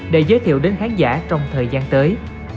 để giới thiệu đến khán giả trong thời gian tới